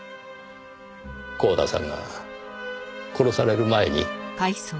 光田さんが殺される前に。